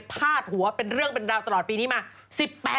พาดหัวเป็นเรื่องเป็นราวตลอดปีนี้มา